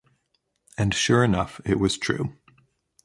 And, sure enough, it was true.